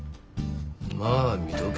まあ見とけ。